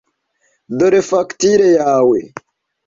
Dore fagitire yawe.